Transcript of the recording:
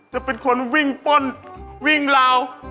จะเป็นคนวิ่งป้นวิ่งราว